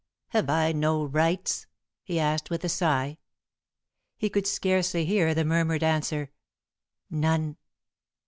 "Have I no rights?" he asked, with a sigh. He could scarcely hear the murmured answer: "None."